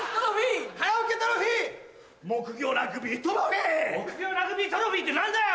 木魚ラグビートロフィーって何だよ！